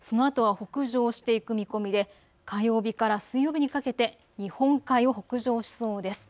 そのあとは北上していく見込みで火曜日から水曜日にかけて日本海を北上しそうです。